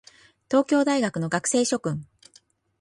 東京大学の学生諸君